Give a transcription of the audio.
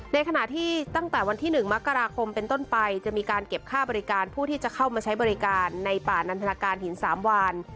ในขณะที่ตั้งแต่วันที่๑มกราคมเป็นต้นไปจะมีการเก็บค่าบริการผู้ที่จะเข้ามาใช้บริการในป่านันทนาการหิน๓วัน